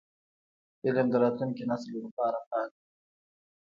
علم د راتلونکي نسل لپاره پانګه ده.